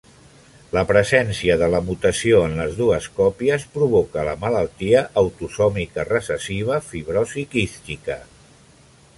La presència de la mutació en les dues còpies provoca la malaltia autosòmica recessiva fibrosi quística.